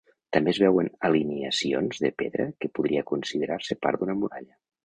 També es veuen alineacions de pedra que podria considerar-se part d'una muralla.